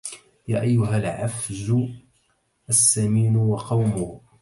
يا أيها العفج السمين وقومه